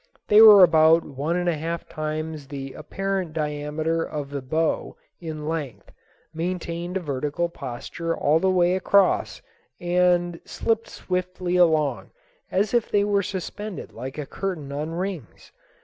They were about one and a half times the apparent diameter of the bow in length, maintained a vertical posture all the way across, and slipped swiftly along as if they were suspended like a curtain on rings.